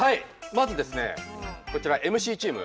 まずですねこちらＭＣチーム。